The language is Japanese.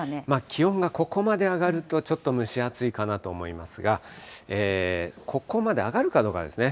気温がここまで上がると、ちょっと蒸し暑いかなと思いますが、ここまで上がるかどうかですね。